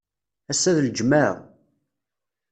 Assa d lǧemεa.